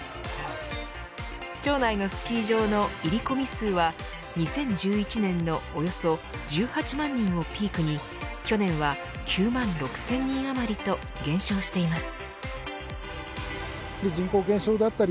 町内のスキー場の入込客数は２０１１年のおよそ１８万人をピークに去年は９万６０００人余りと減少しています。